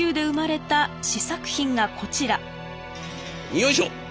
よいしょあ！